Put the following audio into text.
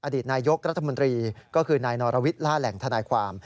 อดีตนายกรัฐมนตรีก็คือนายนรวิทย์ล่าแหล่งทนายความ